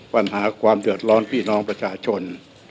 ปัญหาความเดือดร้อนพี่น้องประชาชน